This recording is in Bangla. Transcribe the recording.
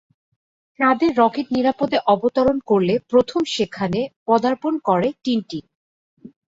চাঁদে রকেট নিরাপদে অবতরণ করলে প্রথম সেখানে পদার্পণ করে টিনটিন।